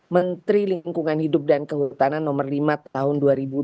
menteri lingkungan hidup dan kehutanan nomor lima tahun dua ribu dua puluh